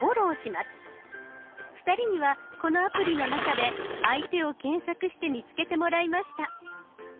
２人にはこのアプリの中で相手を検索して見つけてもらいました。